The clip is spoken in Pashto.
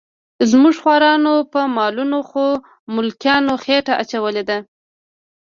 زموږ خوارانو په مالونو خو ملکانو خېټه اچولې ده.